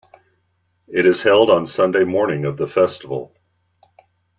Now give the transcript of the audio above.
It is held on Sunday morning of the Festival.